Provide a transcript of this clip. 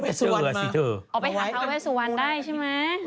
ออกไปหาทาเวสุวรรณได้ใช่ไหม